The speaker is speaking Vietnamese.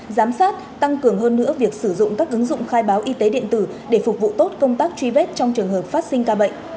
giám sát tăng cường hơn nữa việc sử dụng các ứng dụng khai báo y tế điện tử để phục vụ tốt công tác truy vết trong trường hợp phát sinh ca bệnh